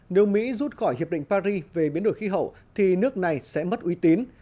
nếu mỹ rút khỏi hiệp định paris về biến đổi khí hậu thì nước này sẽ mất uy tín